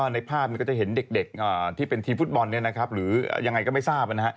ในภาพก็จะเห็นเด็กที่เป็นทีมฟุตบอลหรือยังไงก็ไม่ทราบ